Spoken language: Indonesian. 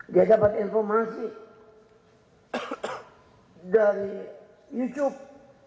dia dapat informasi dari youtube